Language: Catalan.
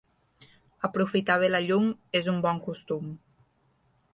Aprofitar bé la llum és un bon costum.